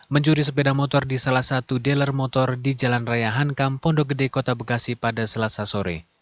mencuri sepeda motor di salah satu dealer motor di jalan raya hankam pondok gede kota bekasi pada selasa sore